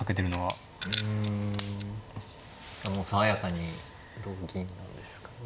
うんもう爽やかに同銀なんですかね。